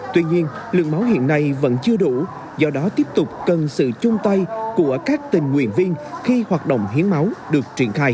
tuy nhiên lượng máu hiện nay vẫn chưa đủ do đó tiếp tục cần sự chung tay của các tình nguyện viên khi hoạt động hiến máu được triển khai